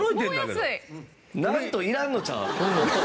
「なんと」いらんのちゃう？